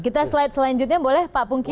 kita slide selanjutnya boleh pak pungki